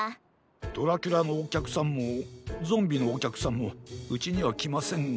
ドラキュラのおきゃくさんもゾンビのおきゃくさんもうちにはきませんが。